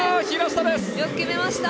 よく決めました！